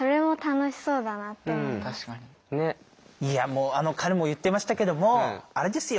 もうあの彼も言ってましたけどもあれですよね